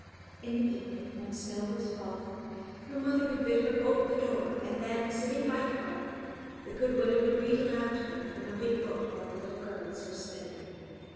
In the evening, when snow was falling, her mother would bid her bolt the door, and then, sitting by the hearth, the good widow would read aloud to them from a big book while the little girls were spinning.